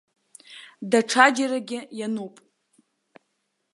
Даҽаџьарагьы иануп.